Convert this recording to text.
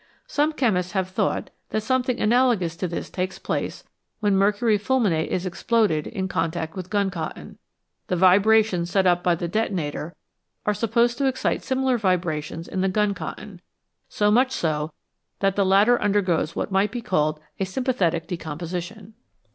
Some chemists have thought that something analogous to this" takes place when mercury fulminate is exploded in contact with gun cotton ; the vibrations set up by the detonator are sup posed to excite similar vibrations in the gun cotton, so much so that the latter undergoes what might be called a sympathetic decomposition.